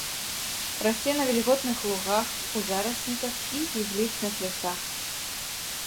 Расце на вільготных лугах, у зарасніках і іглічных лясах.